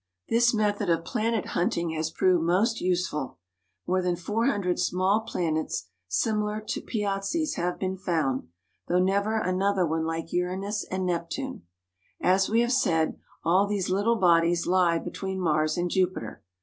This method of planet hunting has proved most useful. More than 400 small planets similar to Piazzi's have been found, though never another one like Uranus and Neptune. As we have said, all these little bodies lie between Mars and Jupiter.